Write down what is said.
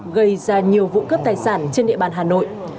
gây ra nhiều vụ cướp tài sản trên địa bàn hà nội